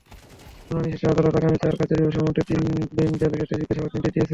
শুনানি শেষে আদালত আগামী চার কার্যদিবসের মধ্যে তিনদিন জেলগেটে জিজ্ঞাসাবাদের নির্দেশ দিয়েছেন।